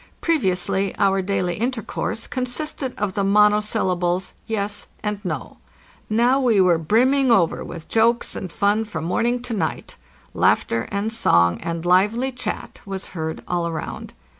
Previously our daily intercourse consisted of the monosyllables "Ves" and "No"; now we were brimming over with jokes and fun from morning to night: laughter and song and lively chat was heard all around.